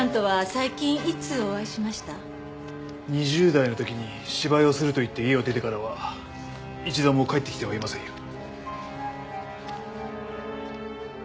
２０代の時に芝居をすると言って家を出てからは一度も帰ってきてはいませんよ。